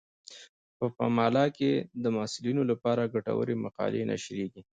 په پملا کې د محصلینو لپاره ګټورې مقالې نشریږي.